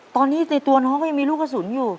ตอนนี้ในตัวน้องก็ยังมีลูกกระสุนอยู่